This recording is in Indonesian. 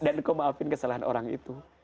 engkau maafin kesalahan orang itu